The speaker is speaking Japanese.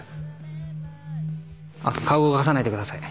顔を動かさないでください。